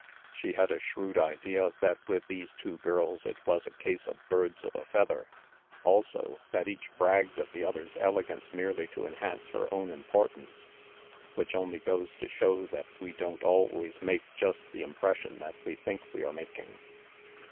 She had a shrewd idea that with these two girls it was a case of birds of a feather; also, that each bragged of the other's elegance merely to enhance her own importance, which only goes to show that we don't always make just the impression that we think we are making.